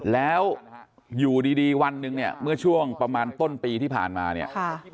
แล้วอยู่ดีดีวันหนึ่งเนี่ยเมื่อช่วงประมาณต้นปีที่ผ่านมาเนี่ย